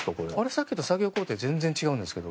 さっきと作業工程が全然違うんですけど。